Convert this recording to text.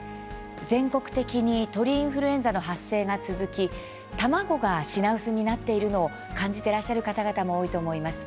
全国的に鳥インフルエンザの発生が続き卵が品薄になっているのを感じていらっしゃる方々も多いと思います。